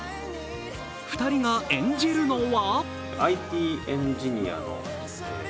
２人が演じるのは？